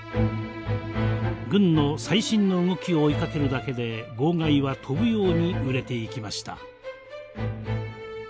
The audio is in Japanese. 軍の最新の動きを追いかけるだけで号外は飛ぶように売れていきました。